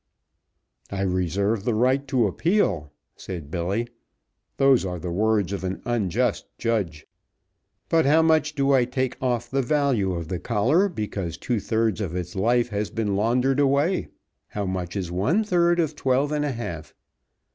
"I reserve the right to appeal," said Billy. "Those are the words of an unjust judge. But how much do I take off the value of the collar because two thirds of its life has been laundered away? How much is one third of twelve and a half?"